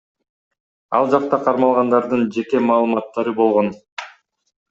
Ал жакта кармалгандардын жеке маалыматтары болгон.